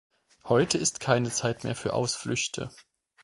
Heute ist keine Zeit mehr für Ausflüchte.